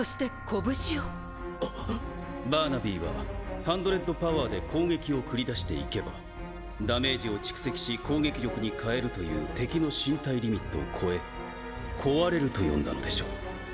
バーナビーはハンドレッドパワーで攻撃を繰り出していけばダメージを蓄積し攻撃力にかえるという敵の身体リミットを超え壊れると読んだのでしょう。